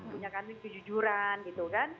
punya kami kejujuran gitu kan